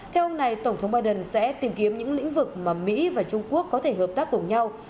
theo ông này tổng thống biden sẽ tìm kiếm những lĩnh vực mà mỹ và trung quốc có thể hợp tác cùng nhau